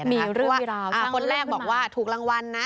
มีเรื่องราวสร้างเรื่องราวคนแรกบอกว่าถูกรางวัลนะ